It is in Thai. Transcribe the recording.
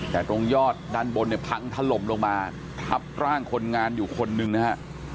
แต่ตรงยอดด้านบนเนี่ยพังถล่มลงมาทับร่างคนงานอยู่คนหนึ่งนะฮะ